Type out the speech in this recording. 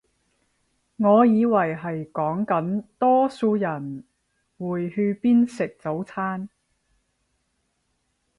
我以為係講緊多數人會去邊食早餐